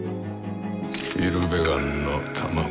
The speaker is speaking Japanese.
イルベガンの卵。